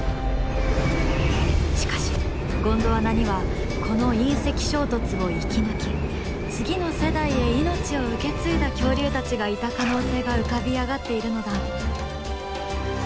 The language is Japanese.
しかしゴンドワナにはこの隕石衝突を生き抜き次の世代へ命を受け継いだ恐竜たちがいた可能性が浮かび上がっているのだ。